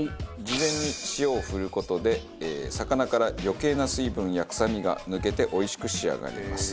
事前に塩を振る事で魚から余計な水分や臭みが抜けておいしく仕上がります。